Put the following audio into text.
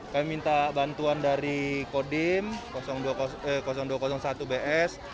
kami minta bantuan dari kodim dua ratus satu bs